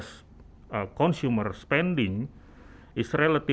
berkembang dengan lebih cepat